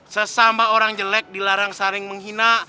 sesama orang jelek dilarang saling menghina